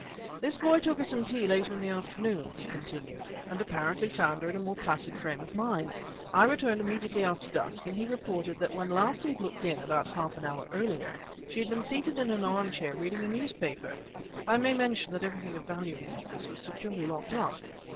"This boy took her some tea later in the afternoon," he continued, "and apparently found her in a more placid frame of mind. I returned immediately after dusk, and he reported that when last he had looked in, about half an hour earlier, she had been seated in an armchair reading a newspaper (I may mention that everything of value in the office was securely locked up!)